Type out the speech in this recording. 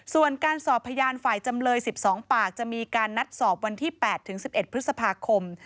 ส่วนการสอบพยานฝ่ายจำเลย๑๒ปากจะมีการนัดสอบวันที่๘ถึง๑๑พฤษภาคม